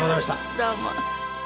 どうも。